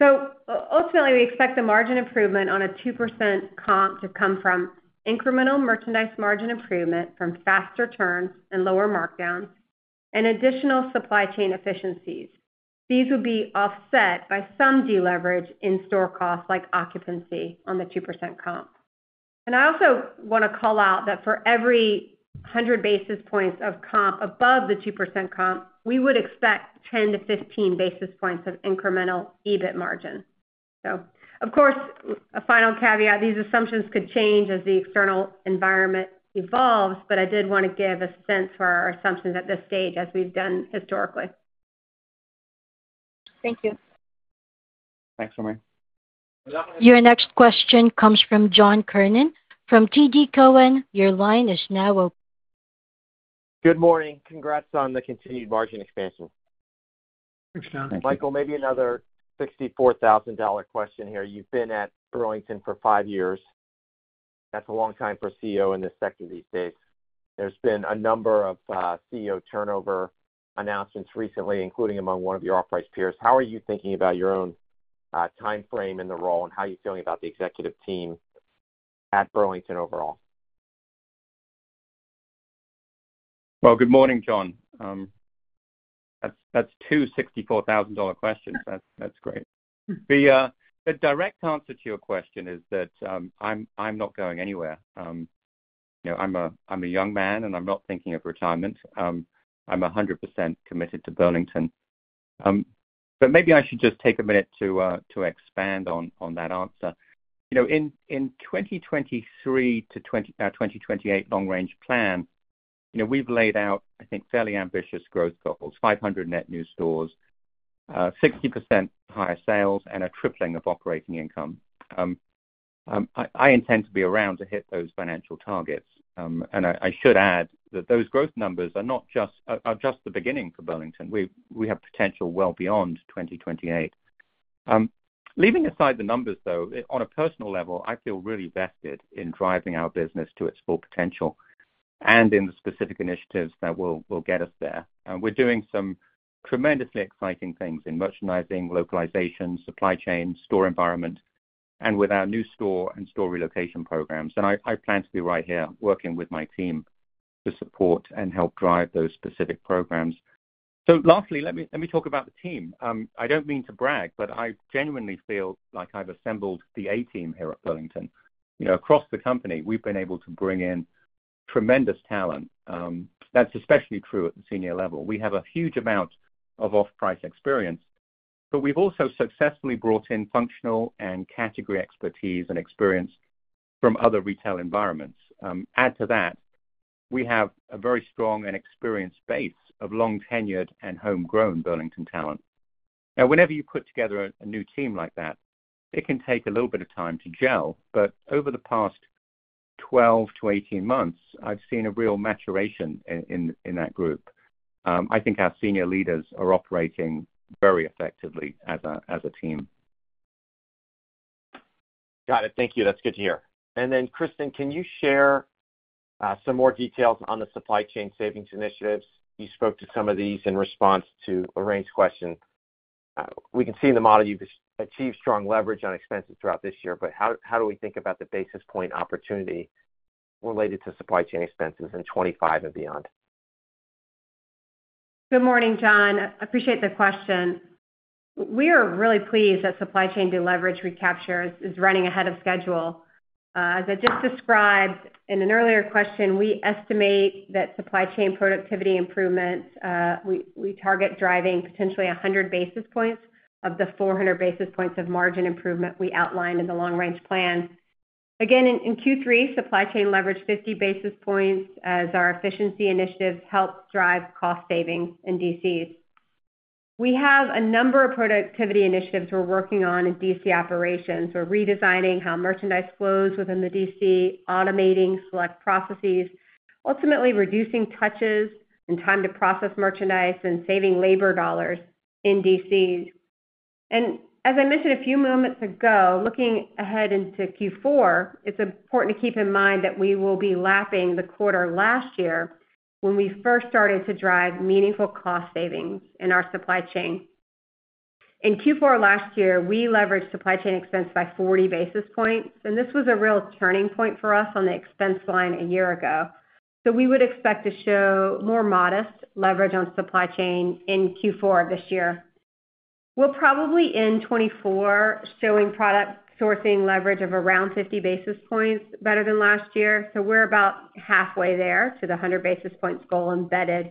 So ultimately, we expect the margin improvement on a 2% comp to come from incremental merchandise margin improvement, from faster turns and lower markdowns, and additional supply chain efficiencies. These would be offset by some deleverage in store costs like occupancy on the 2% comp. And I also want to call out that for every 100 basis points of comp above the 2% comp, we would expect 10-15 basis points of incremental EBIT margin. So of course, a final caveat, these assumptions could change as the external environment evolves, but I did want to give a sense for our assumptions at this stage as we've done historically. Thank you. Thanks, Lorraine. Your next question comes from John Kernan. From TD Cowen, your line is now open. Good morning. Congrats on the continued margin expansion. Thanks, John. Michael, maybe another $64,000 question here. You've been at Burlington for five years. That's a long time for a CEO in this sector these days. There's been a number of CEO turnover announcements recently, including among one of your off-price peers. How are you thinking about your own timeframe in the role and how are you feeling about the executive team at Burlington overall? Well, good morning, John. That's two $64,000 questions. That's great. The direct answer to your question is that I'm not going anywhere. I'm a young man, and I'm not thinking of retirement. I'm 100% committed to Burlington. But maybe I should just take a minute to expand on that answer. In 2023 to 2028 long-range plan, we've laid out, I think, fairly ambitious growth goals: 500 net new stores, 60% higher sales, and a tripling of operating income. I intend to be around to hit those financial targets. And I should add that those growth numbers are just the beginning for Burlington. We have potential well beyond 2028. Leaving aside the numbers, though, on a personal level, I feel really vested in driving our business to its full potential and in the specific initiatives that will get us there. We're doing some tremendously exciting things in merchandising, localization, supply chain, store environment, and with our new store and store relocation programs. And I plan to be right here working with my team to support and help drive those specific programs. So lastly, let me talk about the team. I don't mean to brag, but I genuinely feel like I've assembled the A-team here at Burlington. Across the company, we've been able to bring in tremendous talent. That's especially true at the senior level. We have a huge amount of off-price experience, but we've also successfully brought in functional and category expertise and experience from other retail environments. Add to that, we have a very strong and experienced base of long-tenured and homegrown Burlington talent. Now, whenever you put together a new team like that, it can take a little bit of time to gel. But over the past 12 to 18 months, I've seen a real maturation in that group. I think our senior leaders are operating very effectively as a team. Got it. Thank you. That's good to hear. And then, Kristin, can you share some more details on the supply chain savings initiatives? You spoke to some of these in response to Lorraine's question. We can see in the model you've achieved strong leverage on expenses throughout this year, but how do we think about the basis point opportunity related to supply chain expenses in 2025 and beyond? Good morning, John. I appreciate the question. We are really pleased that supply chain deleverage recapture is running ahead of schedule. As I just described in an earlier question, we estimate that supply chain productivity improvement, we target driving potentially 100 basis points of the 400 basis points of margin improvement we outlined in the long-range plan. Again, in Q3, supply chain leveraged 50 basis points as our efficiency initiatives helped drive cost savings in DCs. We have a number of productivity initiatives we're working on in DC operations. We're redesigning how merchandise flows within the DC, automating select processes, ultimately reducing touches and time to process merchandise and saving labor dollars in DCs. And as I mentioned a few moments ago, looking ahead into Q4, it's important to keep in mind that we will be lapping the quarter last year when we first started to drive meaningful cost savings in our supply chain. In Q4 last year, we leveraged supply chain expense by 40 basis points, and this was a real turning point for us on the expense line a year ago. So we would expect to show more modest leverage on supply chain in Q4 of this year. We'll probably end 2024 showing product sourcing leverage of around 50 basis points better than last year. So we're about halfway there to the 100 basis points goal embedded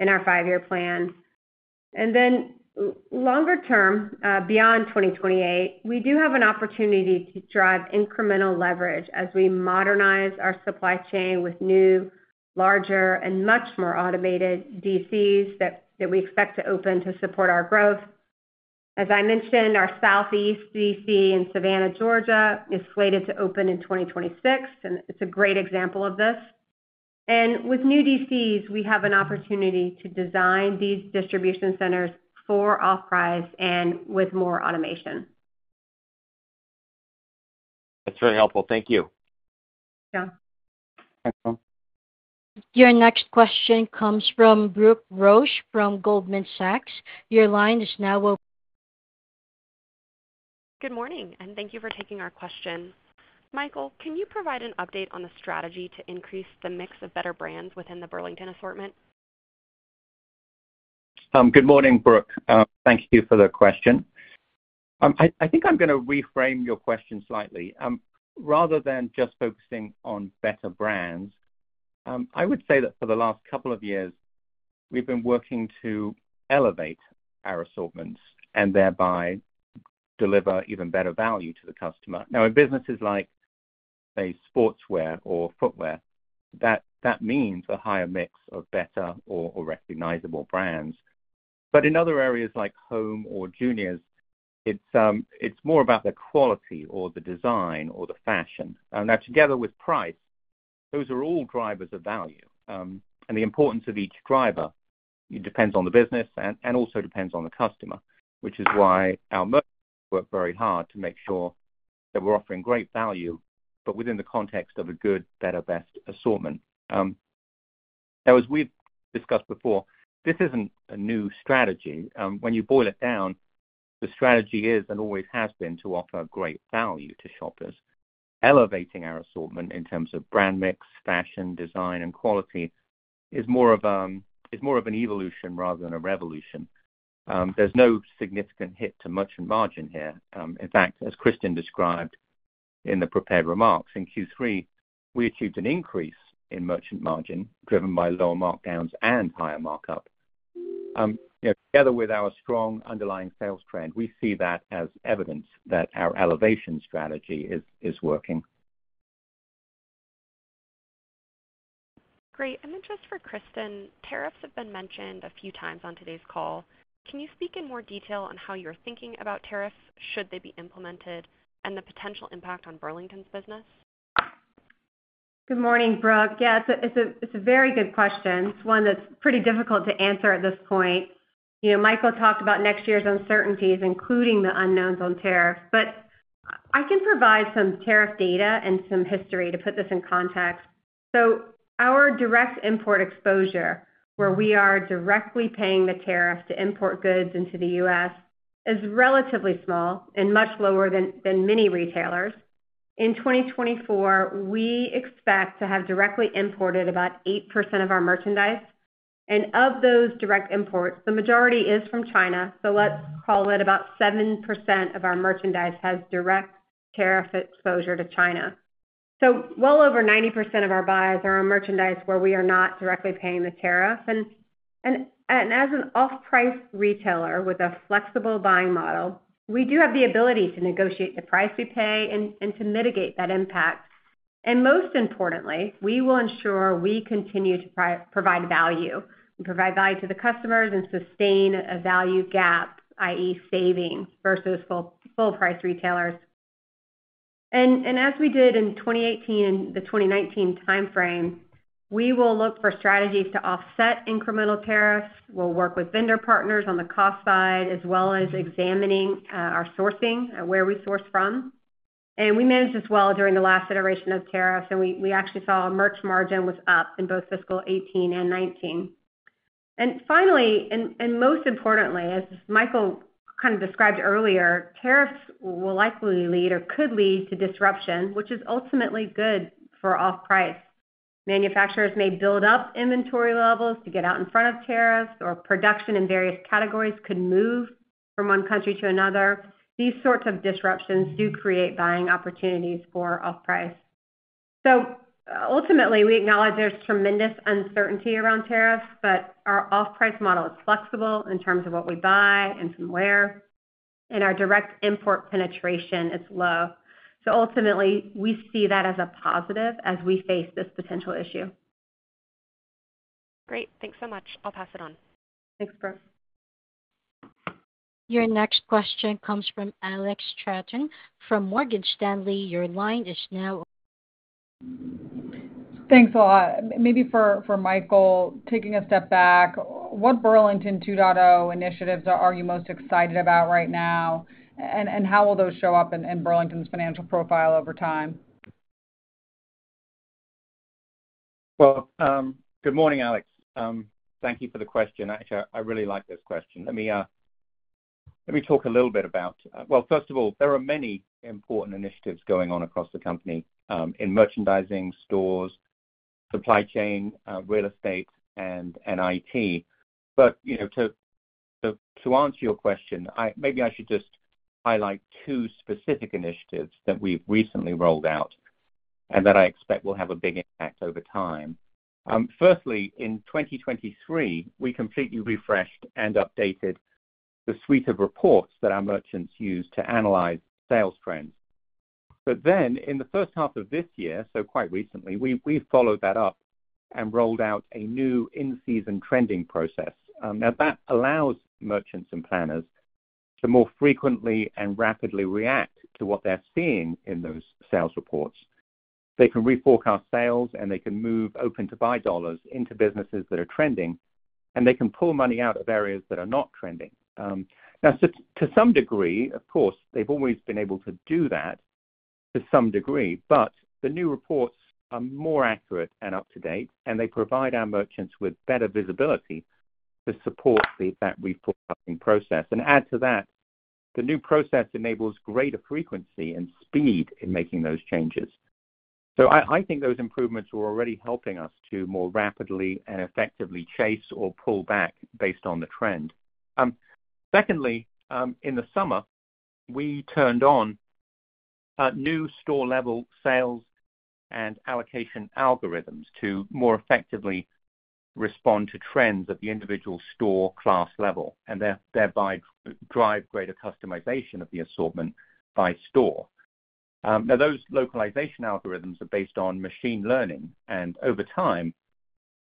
in our five-year plan. And then longer term, beyond 2028, we do have an opportunity to drive incremental leverage as we modernize our supply chain with new, larger, and much more automated DCs that we expect to open to support our growth. As I mentioned, our Southeast DC in Savannah, Georgia, is slated to open in 2026, and it's a great example of this. And with new DCs, we have an opportunity to design these distribution centers for off-price and with more automation. That's very helpful. Thank you. John. Thanks, John. Your next question comes from Brooke Roach from Goldman Sachs. Your line is now open. Good morning, and thank you for taking our question. Michael, can you provide an update on the strategy to increase the mix of better brands within the Burlington assortment? Good morning, Brooke. Thank you for the question. I think I'm going to reframe your question slightly. Rather than just focusing on better brands, I would say that for the last couple of years, we've been working to elevate our assortments and thereby deliver even better value to the customer. Now, in businesses like, say, sportswear or footwear, that means a higher mix of better or recognizable brands. But in other areas like home or juniors, it's more about the quality or the design or the fashion. Now, together with price, those are all drivers of value. And the importance of each driver depends on the business and also depends on the customer, which is why our merchants work very hard to make sure that we're offering great value, but within the context of a good, better, best assortment. Now, as we've discussed before, this isn't a new strategy. When you boil it down, the strategy is and always has been to offer great value to shoppers. Elevating our assortment in terms of brand mix, fashion, design, and quality is more of an evolution rather than a revolution. There's no significant hit to merchant margin here. In fact, as Kristin described in the prepared remarks, in Q3, we achieved an increase in merchant margin driven by lower markdowns and higher markup. Together with our strong underlying sales trend, we see that as evidence that our elevation strategy is working. Great. And then just for Kristin, tariffs have been mentioned a few times on today's call. Can you speak in more detail on how you're thinking about tariffs should they be implemented and the potential impact on Burlington's business? Good morning, Brooke. Yeah, it's a very good question. It's one that's pretty difficult to answer at this point. Michael talked about next year's uncertainties, including the unknowns on tariffs. But I can provide some tariff data and some history to put this in context. So our direct import exposure, where we are directly paying the tariff to import goods into the U.S., is relatively small and much lower than many retailers. In 2024, we expect to have directly imported about 8% of our merchandise. And of those direct imports, the majority is from China. So let's call it about 7% of our merchandise has direct tariff exposure to China. So well over 90% of our buys are on merchandise where we are not directly paying the tariff. And as an off-price retailer with a flexible buying model, we do have the ability to negotiate the price we pay and to mitigate that impact. And most importantly, we will ensure we continue to provide value. We provide value to the customers and sustain a value gap, i.e., savings versus full-price retailers. As we did in 2018 and the 2019 timeframe, we will look for strategies to offset incremental tariffs. We'll work with vendor partners on the cost side, as well as examining our sourcing, where we source from. We managed this well during the last iteration of tariffs, and we actually saw merch margin was up in both fiscal 2018 and 2019. Finally, and most importantly, as Michael kind of described earlier, tariffs will likely lead or could lead to disruption, which is ultimately good for off-price. Manufacturers may build up inventory levels to get out in front of tariffs, or production in various categories could move from one country to another. These sorts of disruptions do create buying opportunities for off-price. Ultimately, we acknowledge there's tremendous uncertainty around tariffs, but our off-price model is flexible in terms of what we buy and from where. And our direct import penetration is low. So ultimately, we see that as a positive as we face this potential issue. Great. Thanks so much. I'll pass it on. Thanks, Brooke. Your next question comes from Alex Straton from Morgan Stanley. Your line is now open. Thanks a lot. Maybe for Michael, taking a step back, what Burlington 2.0 initiatives are you most excited about right now, and how will those show up in Burlington's financial profile over time? Well, good morning, Alex. Thank you for the question. Actually, I really like this question. Let me talk a little bit about, well, first of all, there are many important initiatives going on across the company in merchandising, stores, supply chain, real estate, and IT. But to answer your question, maybe I should just highlight two specific initiatives that we've recently rolled out and that I expect will have a big impact over time. Firstly, in 2023, we completely refreshed and updated the suite of reports that our merchants use to analyze sales trends. But then in the first half of this year, so quite recently, we followed that up and rolled out a new in-season trending process. Now, that allows merchants and planners to more frequently and rapidly react to what they're seeing in those sales reports. They can reforecast sales, and they can move open-to-buy dollars into businesses that are trending, and they can pull money out of areas that are not trending. Now, to some degree, of course, they've always been able to do that to some degree, but the new reports are more accurate and up-to-date, and they provide our merchants with better visibility to support the reforecasting process, and add to that, the new process enables greater frequency and speed in making those changes, so I think those improvements are already helping us to more rapidly and effectively chase or pull back based on the trend. Secondly, in the summer, we turned on new store-level sales and allocation algorithms to more effectively respond to trends at the individual store class level and thereby drive greater customization of the assortment by store. Now, those localization algorithms are based on machine learning, and over time,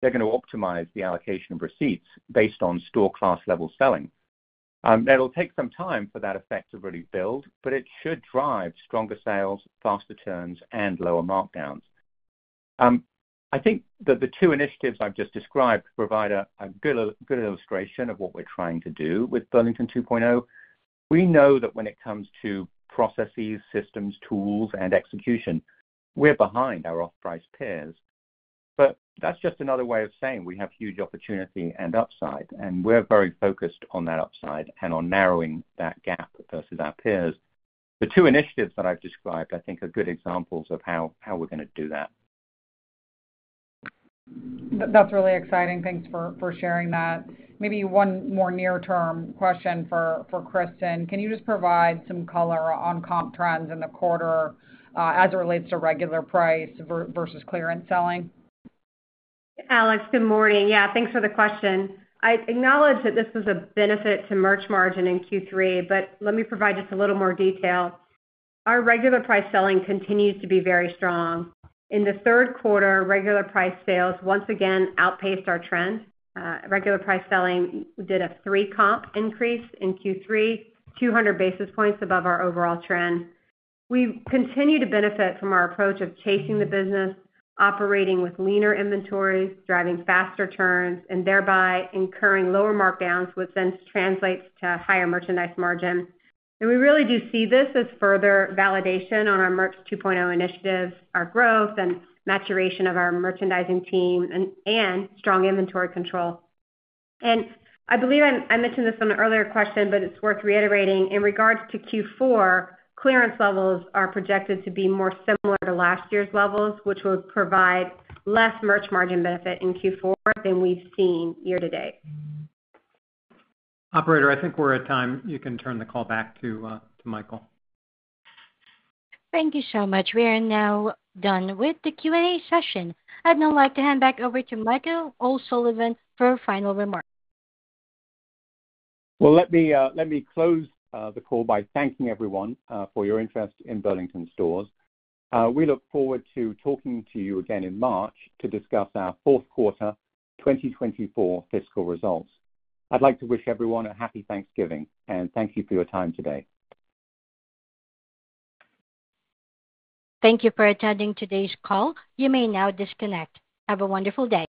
they're going to optimize the allocation of receipts based on store-class-level selling. Now, it'll take some time for that effect to really build, but it should drive stronger sales, faster turns, and lower markdowns. I think that the two initiatives I've just described provide a good illustration of what we're trying to do with Burlington 2.0. We know that when it comes to processes, systems, tools, and execution, we're behind our off-price peers. But that's just another way of saying we have huge opportunity and upside, and we're very focused on that upside and on narrowing that gap versus our peers. The two initiatives that I've described, I think, are good examples of how we're going to do that. That's really exciting. Thanks for sharing that. Maybe one more near-term question for Kristin. Can you just provide some color on comp trends in the quarter as it relates to regular price versus clearance selling? Alex, good morning. Yeah, thanks for the question. I acknowledge that this was a benefit to merch margin in Q3, but let me provide just a little more detail. Our regular price selling continues to be very strong. In the Q3, regular price sales once again outpaced our trend. Regular price selling did a three-comp increase in Q3, 200 basis points above our overall trend. We continue to benefit from our approach of chasing the business, operating with leaner inventories, driving faster turns, and thereby incurring lower markdowns, which then translates to higher merchandise margin. And we really do see this as further validation on our Merch 2.0 initiatives, our growth, and maturation of our merchandising team, and strong inventory control. And I believe I mentioned this on an earlier question, but it's worth reiterating. In regards to Q4, clearance levels are projected to be more similar to last year's levels, which will provide less merch margin benefit in Q4 than we've seen year to date. Operator, I think we're at time. You can turn the call back to Michael. Thank you so much. We are now done with the Q&A session. I'd now like to hand back over to Michael O'Sullivan for a final remark. Well, let me close the call by thanking everyone for your interest in Burlington Stores. We look forward to talking to you again in March to discuss our Q4 2024 fiscal results. I'd like to wish everyone a happy Thanksgiving, and thank you for your time today. Thank you for attending today's call. You may now disconnect. Have a wonderful day.